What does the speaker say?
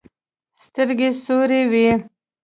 سترګې سورې وې.